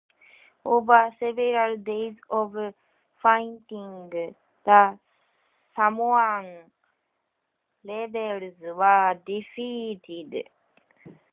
Over several days of fighting, the Samoan rebels were defeated.